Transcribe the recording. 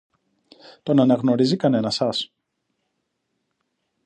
Τον αναγνωρίζει κανένας σας;